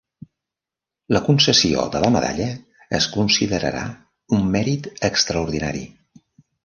La concessió de la medalla es considerarà un mèrit extraordinari.